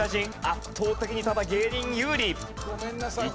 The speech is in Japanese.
圧倒的にただ芸人有利。